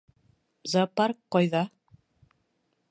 Зоопарк ҡайҙа?